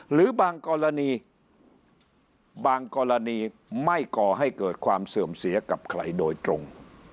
หรือบางกรณีบางกรณีไม่ก่อให้เกิดความเสื่อมเสียกับใครโดยตรง